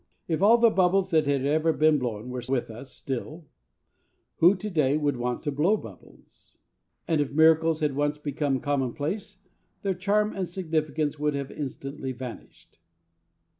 If all the bubbles that had ever been blown were with us still, who to day would want to blow bubbles? And if miracles had once become commonplace, their charm and significance would have instantly vanished.